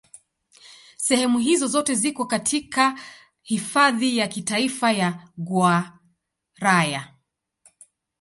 Sehemu hizo zote ziko katika Hifadhi ya Kitaifa ya Gouraya.